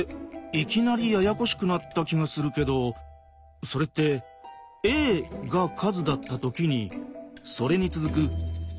いきなりややこしくなった気がするけどそれって「『ａ』が数だった時にそれに続く『ａの次』も数だ」ってことだよね？